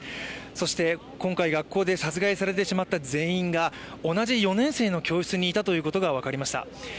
そして、今回学校で殺害されてしまった全員が同じ４年生の教室にいたということがわかりました。